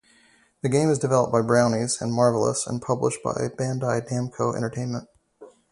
The game is developed by Brownies and Marvelous and published by Bandai Namco Entertainment.